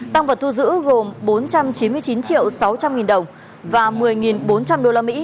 tăng vật thu giữ gồm bốn trăm chín mươi chín triệu sáu trăm linh nghìn đồng và một mươi bốn trăm linh usd